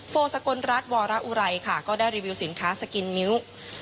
โซสกลรัฐวรอุไรค่ะก็ได้รีวิวสินค้าสกินมิ้ว